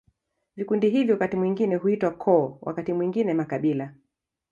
Vikundi hivi wakati mwingine huitwa koo, wakati mwingine makabila.